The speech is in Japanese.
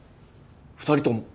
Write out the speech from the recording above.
２人とも？